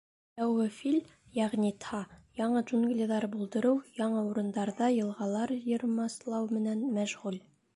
Тәүге Фил, йәғни Тһа, яңы джунглиҙар булдырыу, яңы урындарҙа йылғалар йырмаслау менән мәшғүл.